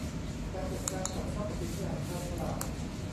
การจัดการกับทรัพย์สินอย่างชาญฉลาด